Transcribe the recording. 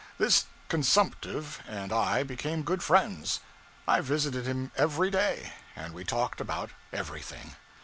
This consumptive and I became good friends. I visited him every day, and we talked about everything.